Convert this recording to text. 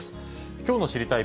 きょうの知りたいッ！